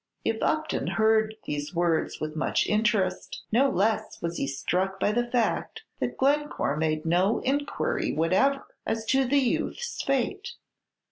If Upton heard these words with much interest, no less was he struck by the fact that Glencore made no inquiry whatever as to the youth's fate.